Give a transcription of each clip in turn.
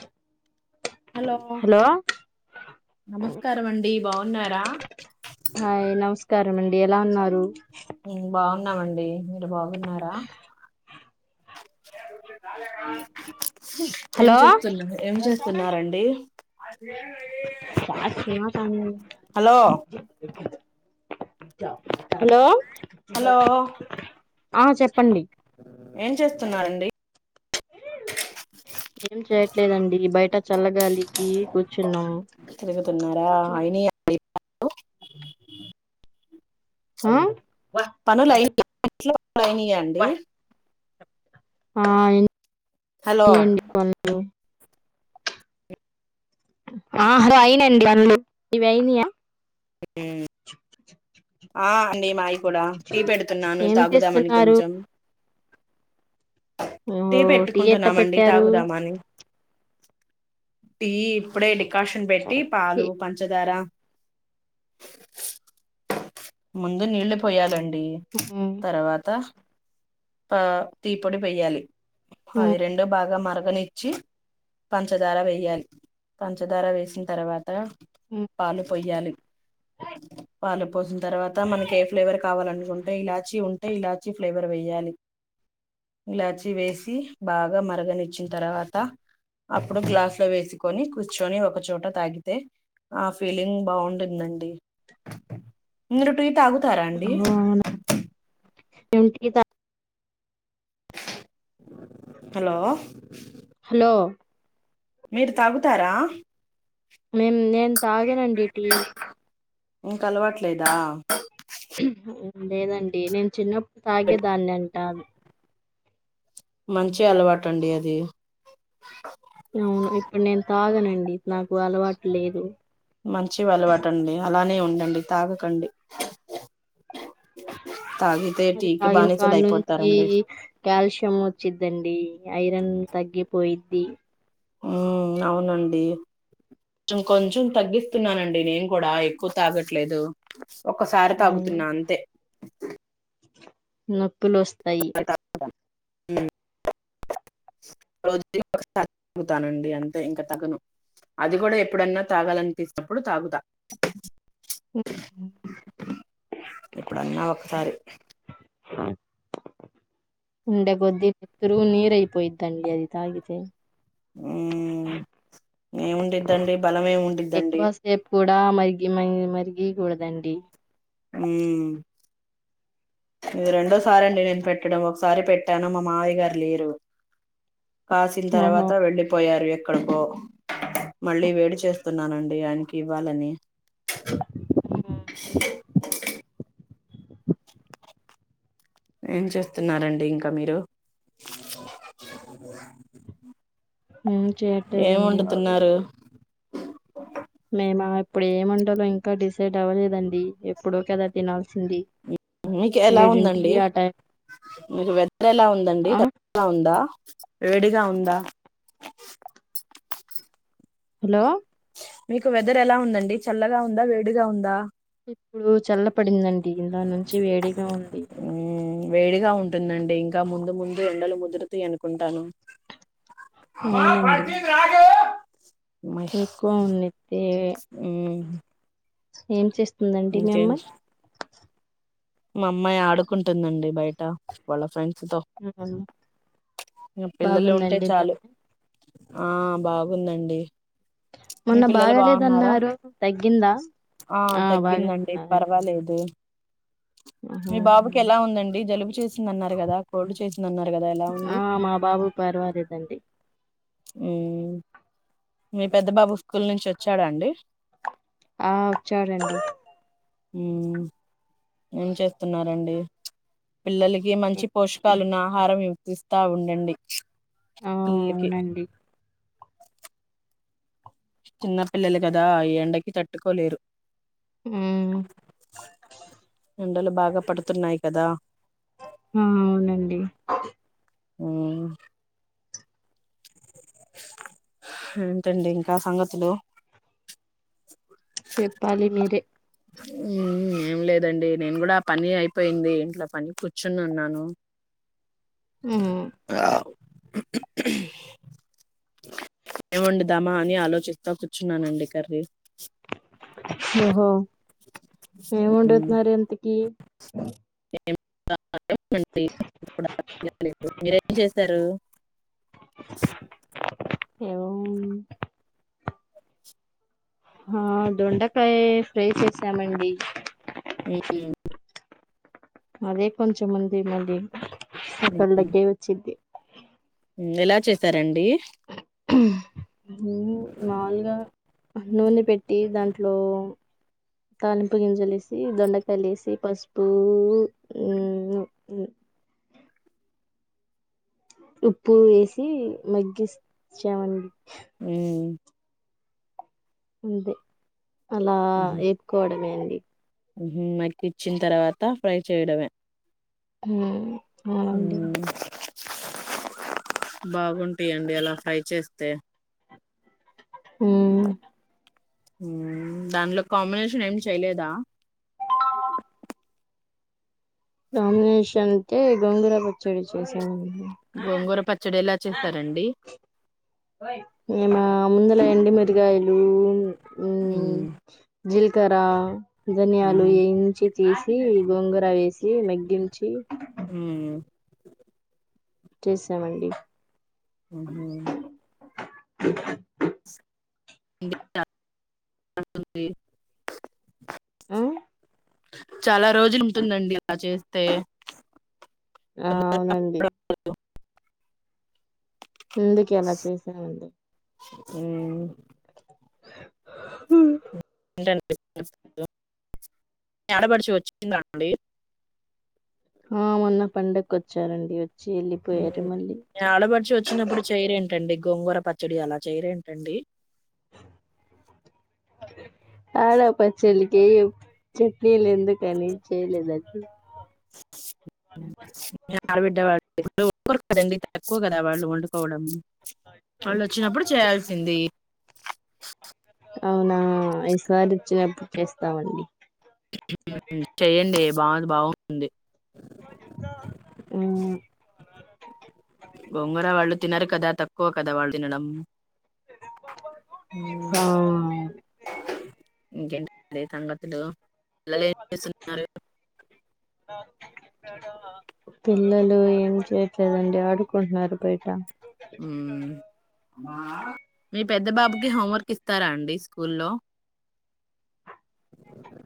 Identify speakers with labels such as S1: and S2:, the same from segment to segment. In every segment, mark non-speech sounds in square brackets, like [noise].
S1: [inaudible] Hello నమస్కారం అండి బాగున్నారా?
S2: హాయ్ నమస్కారం అండి. ఎలా ఉన్నారు?
S1: ఉమ్ బాగున్నామండి మీరు బాగున్నారా. [unintelligible] ఏం
S2: హలో
S1: చేస్తున్నారు ఏం చేస్తున్నారండి
S2: మా.
S1: హలో
S2: [unintelligible] హలో
S1: హలో
S2: ఆ చెప్పండి
S1: ఏం చేస్తున్నారండి?
S2: ఏం చేయ్యట్లేదండి బయట చల్లగాలికి కూర్చున్నాం.
S1: తిరుగుతున్నారా అయినా అండి పనులు
S2: ఆ
S1: పనులు అయినయాండి [unintelligible] ఇంట్లో పనులు అయినయాండి
S2: ఆ [unintelligible]
S1: హలో
S2: అయినాయండి పనులు ఆ హాలో అయినండి పనులు మీవి అయినయా
S1: ఆ అండి మాయి కూడా టీ పెడుతున్నాను
S2: ఏం
S1: తాగుదామని
S2: చేస్తున్నారు
S1: కొంచెం. టీ
S2: ఓహో ఎట్ట
S1: పెట్టుకుంటున్నామండి
S2: పెట్టారు
S1: తాగుదాం అని టీ ఇప్పుడే డికాషన్ పెట్టి పాలు పంచదార ముందు నీళ్లు పోయాలం డి
S2: ఉమ్
S1: తర్వాత పా టీ పొడి వేయ్యాలి
S2: ఉమ్
S1: అది రెండో భాగం మార మరగనిచ్చి పంచదార వేయాలి పంచదార వేసిన తర్వాత
S2: ఉమ్
S1: పాలు పోయ్యాలి పాలుపోసిన తర్వాత మనకి ఏ ఫ్లేవర్ కావాలనుకుంటే ఇలాచి ఉంటే ఇలాచి ఫ్లేవర్ వెేయ్యాలి. ఇలాచి వేసి బాగా మరగనిచ్చిన తర్వాత అప్పుడు గ్లాస్ లో వేసుకొని కూర్చొని ఒకచోట తాగితే ఆ ఫీలింగ్ బాగుం నండి మీరు టీ తాగుతారా అండి?
S2: అవునా మేము టీ త
S1: హలో
S2: హలో
S1: మీరు తాగుతారా
S2: మేం నేను తాగనండి టీ
S1: మిక్ అలవట్లేదా
S2: లేదండి నేను చిన్నప్పుడు తాగేదాన్ని అంట
S1: మంచి అలవాటు అండి అది.
S2: అవును ఇప్పుడు నేను తాగనండి నాకు అలవాటు లేదు.
S1: మంచి అలవాటండి అలానే ఉండండి తాగకండ
S2: అది తాగిన
S1: బానిసలు
S2: కాడ నుంచి
S1: అయిపోతారండి
S2: కాల్షియం వచ్చి దండి ఐరన్ తగ్గిపోయిద్ది.
S1: ఉ అవునండి కొంచం కొంచెం తగ్గిస్తున్నానండి నేను కూడా ఎక్కువ తాగట్లేదు. ఒకసారి తాగుతున్నా అంతే
S2: నొప్పులు వస్తాయి.
S1: ఉ రోజు ఒకసారి తగుతానండి అంతే ఇంకా తాగను అది కూడా ఎప్పుడన్నా తాగాలనిపిసినప్పుడు తాగుతా. ఎప్పుడన్నా ఒకసారి
S2: ఉండే కొద్ది నెత్తరు నీరు అయిపోయిద్దండి అది తాగితే
S1: ఉమ్ ఏముండిద్దండి బలంమెమిండిద్దండి
S2: ఎక్కువ సేపు కూడా మరిగి మరి మరిగి కూడదండి
S1: హ్మ్మ్ ఇది రెండోసారండి నేను పెట్టడం ఒకసారి పెట్టాను మా మావైగారు లేరు. కాసిన
S2: ఓహో!
S1: తర్వాత వెళ్ళలిపోయారు ఏక్ ఇక్కడకో మళ్ళీ వేడి చేస్తున్నానండి ఆయనకి ఇవ్వాలని స్ సిస్ ఏం చేస్తున్నారూ అండి ఇంక మీరు?
S2: హ్మ్.
S1: ఏం
S2: చేయట్లేదండి.
S1: వండుతున్నారు?
S2: మేమ ఇప్పుడు వండాలో ఇంకా డిసైడ్ అవ్వలేదండి, ఎప్పుడో కదా తినాల్సింది.
S1: మీకు ఎలా
S2: ఏడింటికి
S1: ఉందండి?
S2: ఆ టైం
S1: మీకు వెదర్ ఎలా ఉందండి
S2: ఆ
S1: చల్లగా ఉందా. వేడిగా ఉందా
S2: హలో
S1: మీకు వెదర్ ఎలా ఉందండి. చల్లగా ఉందా, వేడిగా ఉందా?
S2: ఇప్పుడు చల్ల పడిందండి ఇందాక నుంచి వేడిగా ఉంది.
S1: ఉమ్ వేడిగా ఉంటుందండి ఇంకా ముందు ముందు ఎండలు ముదురుతాయి అనుకుంటాను. మా
S2: అవునండి
S1: పండిట్ రాడు
S2: ఎక్కువ ఉన్నిద్ది.
S1: మ్మ్
S2: ఏం చేస్తుందండి మీ
S1: ఇంకేం
S2: అమ్మాయి?
S1: మా అమ్మాయి ఆడుకుంటుందండి బయట వాళ్ళ ఫ్రెండ్స్ తో
S2: అవును
S1: ఇంకా పిల్లలు ఉంటే
S2: బాగుందండి మీ
S1: చాలు
S2: అమ్మాయి
S1: ఆ బాగుందండి మీ
S2: మొన్న
S1: పిల్లలు బాగున్నారా
S2: బాగాలేదన్నారు తగ్గిందా.
S1: ఆ
S2: బాగా
S1: తగ్గిందండి
S2: ఉన్నదండి
S1: పర్వాలేదు.
S2: ఆహా
S1: మీ బాబుకి ఎలా ఉందండి జలుబు చేసి ఇంద్ అన్నారు కదా కోల్డ్ చేసిందన్నారు కదా ఎలా
S2: ఆ
S1: ఉంది?
S2: మా బాబు పర్వాలేదండి
S1: ఊ మీ పెద్ద బాబు స్కూల్ నుంచి వచ్చాడండి?
S2: ఆ వచ్చాడండి
S1: ఊ ఏం చెత్తున్నారండి పిల్లలకి మంచి పోషకాలు ఉన్న ఆహారం వివ పిస్తా ఉండండి
S2: ఆ
S1: పిల్లలకి
S2: అవునండి
S1: చిన్న పిల్లలు గదా ఈ ఎండకి తట్టుకోలేరు.
S2: ఊ
S1: ఎండలు బాగా పడుతున్నాయి కదా.
S2: ఆ అవునండి
S1: ఊ ఏంటండి ఇంకా సంగతులు
S2: చెప్పాలి మీరే
S1: ఏం లేదండి నేను కూడా పని అయిపోయింది ఇంట్లో పని కూర్చుని ఉన్నాను
S2: ఊ హ్మ్
S1: ఏవండుదామా అని ఆలోచిస్తా కూర్చున్నానండి కర్రీ
S2: ఓహో ఏం
S1: మ్మ్.
S2: వండుతున్నారు ఇంతకి
S1: మీరేం చేశారు ట్స్
S2: ఎవమ్ ఆ దొండకాయే ఫ్రై చేసామండి
S1: ఏటి ఎమ్
S2: అదే కొంచెంముంది మళ్ళీ ఒక్కళ్ల కె వచ్చిద్ది
S1: చేసారండి
S2: మాలుగా నూనె పెట్టి దాంట్లో తాలింపు గింజలు ఎసి దొండకాయలు ఎసి పసుపు ఉప్పు వేసి మగ్గిస్ చ్చామండి
S1: మ్మ్.
S2: అంతే అలా ఎప్కోవడమే అండి
S1: మగ్గిచ్చిన్ తర్వాత ఫ్రై చేయడమే
S2: ఊ ఆ అండి
S1: మ్మ్. బాగుంటాయండి అలా ఫ్రై చేస్తే
S2: ఊ
S1: దానిలో కాంబినేషన్ ఏమి చేయలేదా
S2: కాంబినేషఅంటే గొంగుర పచ్చడి చేసాము
S1: గోంగూర పచ్చడి ఎలా చేస్తారండి
S2: ఓయ్ ఏమ ముందుల ఎండిమిరగాయలు
S1: ఉన్
S2: జీల్కర ధనియాలు ఏంచి చేసి గోంగుర వేసి మగ్గించి
S1: ఊ
S2: చేసావండి
S1: ఉ హు [unintelligible]
S2: ఆ
S1: చాలా రోజులు ఉంటుందండి ఇలా చేస్తే
S2: ఆ అవునండి ముందుకు ఎలా చేసాముంది
S1: ఉమ్,
S2: హ
S1: ఏంట ఆడపడుచు వచ్చిందాండి
S2: ఆ మొన్న పండుకొవచ్చారండి
S1: మీవో ఆడపడుచు వచ్చినప్పుడు చేయరేంట్ టండి గోంగూర పచ్చడి అలా చేయరంటండి
S2: తాజా పచ్చడికి చట్నీలు ఎందుకని చేయలేదండ్
S1: మీ ఆడబిడ్డ వాళ్లు [unintelligible] తక్కువ కదా వాళ్ళు వండుకోవడం వాళ్ళు వచ్చినప్పుడు చేయాల్సింది
S2: అవునా ఈసారి వచ్చినప్పుడు చేస్తామండి
S1: ఉ మ్ చేయండి బాగుంది బాగుంది.
S2: ఉ
S1: గోంగూర వాళ్ళు తినారు కాదా తక్కువ కదా వాళ్ళు తినడం ఉమ్.
S2: ఆ
S1: ఇంకేంటి అండి సంగతులు పిల్లలు ఏం చేస్తున్నారు.
S2: ఆ పిల్లలు ఏం చేయట్లేదండి ఆడుకుంటున్నారు బయట
S1: ఉమ్ మీ పెద్ద బాబుకి హోంవర్క్ ఇస్తారా అండి స్కూల్లో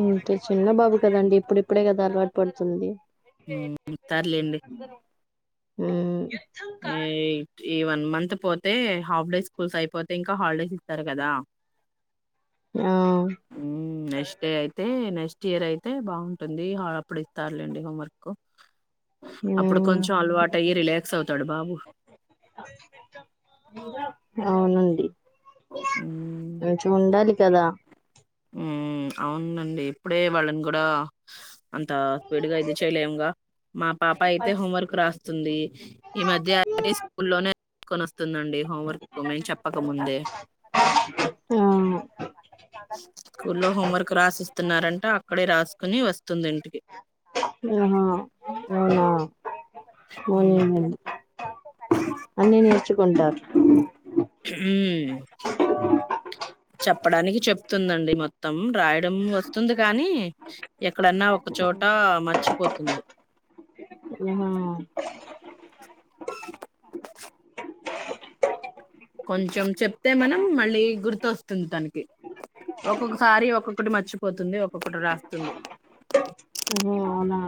S2: ఉ చిన్న బాబు కాదండి ఇప్పుడిప్పుడే కదా అలవాటు పడుతుంది.
S1: ఉ ఇతర్లెండి
S2: ఉ
S1: ఈ వన్ మంత్ పోతే హాఫ్ డేస్ స్కూల్స్ అయిపోతే ఇంకా హాలిడేస్ ఇస్తారు కాదా
S2: ఆ
S1: ఉమ్ నెక్స్ట్ డే అయితే నెక్స్ట్ నెక్స్ట్ఇయర్ అయితే బాగుంటుంది. అప్పుడు ఇస్తారులేండి హోంవర్క్ అప్పుడు
S2: మ్మ్
S1: కొంచెం అలవాటు అయ్యి రిలాక్స్ అవుతు
S2: అవునండి మంచిగా ఉండాలి కాదా
S1: ఉ అవునండి ఇప్పుడే వాళ్ళని గూడా అంత స్పీడ్ గా ఇది చేయలేముగా మా పాప అయితే హోంవర్క్ రాస్తుంది. ఈ మధ్య అన్ని స్కూల్లోనే రాసుకొని వస్తు వస్తుందండి హోంవర్క్ మేము చెప్పకముందే
S2: ద
S1: కులో హోంవర్క్ రాసిస్తున్నారంటే అక్కడే రాసుకొని వస్తుంది ఇంటికి
S2: ఆహా అవునా
S1: ఆ
S2: అవునండి అ
S1: అ చెప్పడానికి చెప్తుందండి మొత్తం రాయడం వ తుంది కానీ ఎక్కడన్నా ఒక చోట మర్చిపోతుంది.
S2: ఓహ
S1: కొంచెం చెప్తే మనం మళ్ళీ గుర్తొస్తుంది తనకి ఒక్కొక్కసారి ఒక్కొక్కటి మర్చిపోతుంది ఒక్కొక్కటి రాస్తుంది.
S2: ఆహా అవునా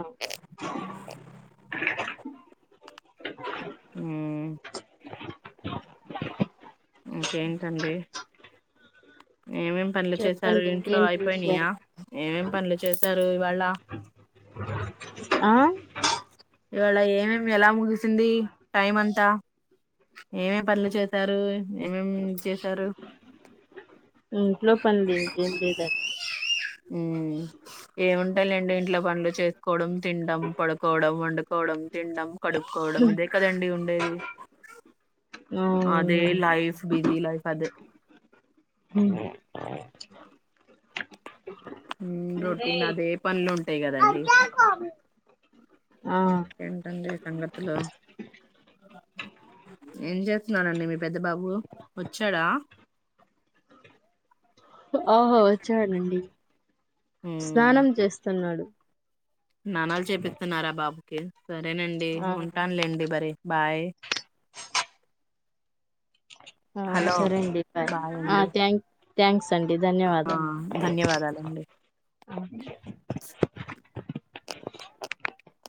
S1: ఆ ఇంకేంటండి ఏమేం పనులు చేసారు
S2: చెప్పండి
S1: ఇంట్లో
S2: ఇంకేంటి
S1: అయిపోయినాయా
S2: విషయాలు
S1: ఏమేం పనులు చేసారు ఇవాళ
S2: ఆ
S1: ఇవాళ ఏమేం ఎలా ముగిసింది టైం అంతా ఏమేం పనులు చేసారు ఏమేం చేసారు
S2: ఇంట్లో పనిది ఇంకేం లేదా
S1: మ్ ఏవం అంతే లేండి ఇంట్లో పనులు చేసుకోవడం తినడం పడుకోవడం వండుకోవడం తినడం కడుక్కోవడం ఇదే కదండి ఉండేది అదే
S2: అవునండి
S1: లైఫ్ బిజీ లైఫ్ అదే
S2: మ్
S1: మ్ రొటీన్ అదే పనులు ఉంటాయి కదండి
S2: ఆ
S1: ఇంకెంటండి సంగతులు ఏం చేస్తున్నానండి మీ పెద్ద బాబు వచ్చాడా
S2: హ వచ్చాడండి స్నానం చేస్తున్నాడు
S1: స్నానాలు చేపిస్తున్నారా బాబుకి సరేనండి
S2: ఆ
S1: ఉంటానులేండి మరి బాయ్
S2: ఆ
S1: హలో
S2: సరే అండి బాయ్ థ్యాంక్ థ్యాంక్స్ తండి
S1: ఆ
S2: ధన్యవాదాలు
S1: ధన్యవాదాలండి
S2: [inaudible]